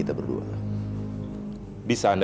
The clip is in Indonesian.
udah gugup nyobain si dre